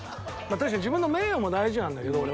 確かに自分の名誉も大事なんだけど俺は。